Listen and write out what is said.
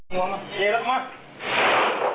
โน้นโน้นโน้น